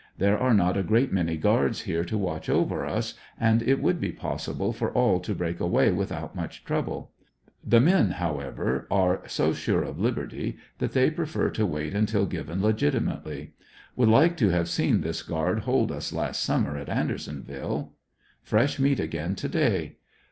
There are not a great many guards here to watch over us, and it would be possible for all to break away without much trouble. The men, however, are so sure of liberty that they prefer to wait until given legitimate ly. Would like to have seen this guard hold us last summer at Andersonville. Fresh meat again to day.